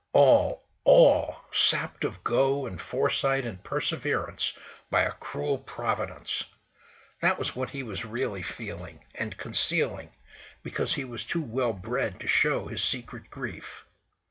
All, all sapped of go and foresight and perseverance by a cruel Providence! That was what he was really feeling, and concealing, be cause he was too well bred to show his secret grief.